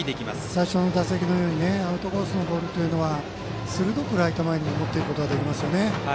最初の打席のようにアウトコースのボールは鋭くライト前に持っていくことができますよね。